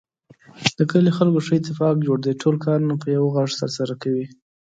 د کلي خلکو ښه اتفاق جوړ دی. ټول کارونه په یوه غږ ترسره کوي.